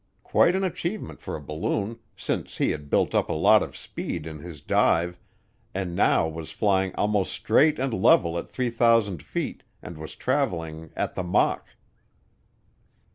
Quite an achievement for a balloon, since he had built up a lot of speed in his dive and now was flying almost straight and level at 3,000 feet and was traveling "at the Mach."